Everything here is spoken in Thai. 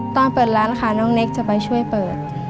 ตอนเปิดร้านค่ะน้องเน็กจะไปช่วยเปิด